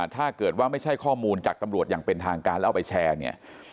ถ้าเกิดว่าไม่ใช่ข้อมูลจากตำรวจอย่างเป็นทางการแล้วเอาไปแชร์เนี่ย